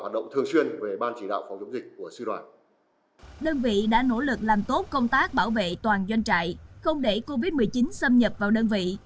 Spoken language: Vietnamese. đơn vị đã nỗ lực làm tốt công tác bảo vệ toàn doanh trại không để covid một mươi chín xâm nhập vào đơn vị